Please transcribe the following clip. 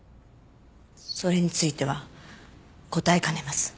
それについては答えかねます。